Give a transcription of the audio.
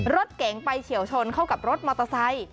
รถเก๋งไปเฉียวชนเข้ากับรถมอเตอร์ไซค์